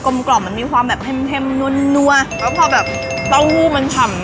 เริ่มกันดิจานแรกก๋วยจับน้ำคน